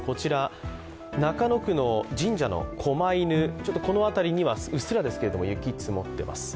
中野区の神社のこま犬、この辺りにはうっすら雪が積もっています。